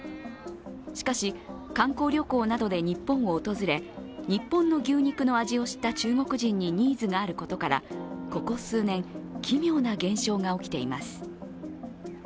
しかし、観光旅行などで日本を訪れ、日本の牛肉の味を知った中国人にニーズがあることからここ数年、奇妙な現象が起きています。